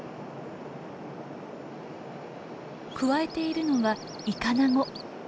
くわえているのはイカナゴ。